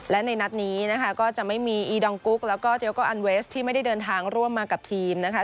และในนัดนี้นะคะก็จะไม่มีอีดองกุ๊กแล้วก็เจลโกอันเวสที่ไม่ได้เดินทางร่วมมากับทีมนะคะ